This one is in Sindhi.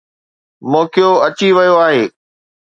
موقعو اچي ويو آهي.